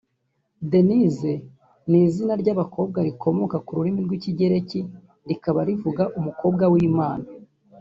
Denise ni izina ry’abakobwa rikomoka ku rurimi rw’Ikigereki rikaba rivuga “Umukobwa w’Imana”